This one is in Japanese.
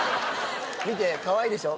見てかわいいでしょ？